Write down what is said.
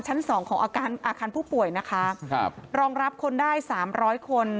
ชั้นสองของอาการอาคารผู้ป่วยนะคะครับรองรับคนได้สามร้อยคน